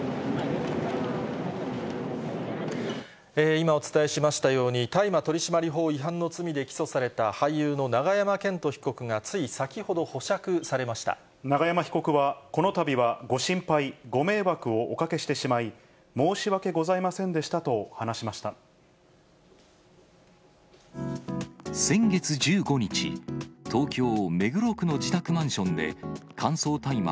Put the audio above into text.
今お伝えしましたように、大麻取締法違反の罪で起訴された俳優の永山絢斗被告がつい先ほど永山被告は、このたびはご心配、ご迷惑をおかけしてしまい、申し訳ございませんでしたと話し先月１５日、東京・目黒区の自宅マンションで、乾燥大麻